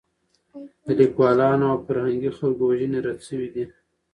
د لیکوالانو او فرهنګي خلکو وژنې رد شوې دي.